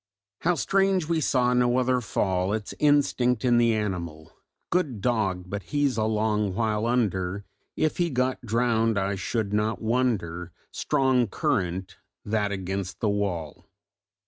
"'How strange we saw no other fall! It's instinct in the animal. Good dog! But he's a long while under: If he got drowned I should not wonder Strong current, that against the wall!